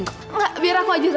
enggak biar aku ajarin